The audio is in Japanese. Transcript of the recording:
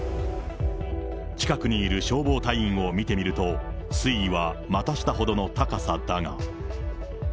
近くにいる消防隊員を見てみると、水位は股下ほどの高さだが。